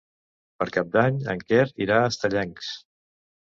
Per Cap d'Any en Quer irà a Estellencs.